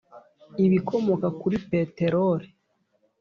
ibikomoka kuri peteroli